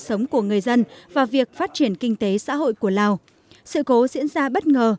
sống của người dân và việc phát triển kinh tế xã hội của lào sự cố diễn ra bất ngờ